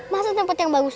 masa tempat yang bagus